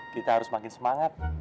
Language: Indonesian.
kita harus makin semangat